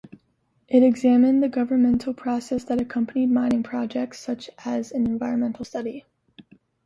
It examined the governmental process that accompanied mining projects such as an environmental study.